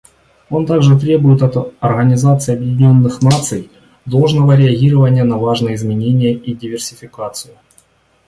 Он также требует от Организации Объединенных Наций должного реагирования на важные изменения и диверсификацию.